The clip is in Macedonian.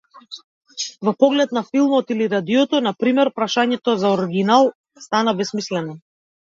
Во поглед на филмот или радиото, на пример, прашањето за оригинал стана бесмислено.